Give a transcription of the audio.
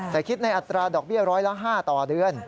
แต่คิดในอัตราดอกเบี้ยร้อยละ๕ต่อเดือน